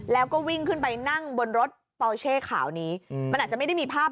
แล้วก็วิ่งขึ้นไปนั่งบนรถป